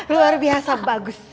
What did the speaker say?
luar biasa bagus